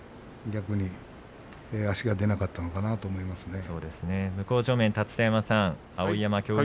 逆に足が出なかったのかなと思いますね。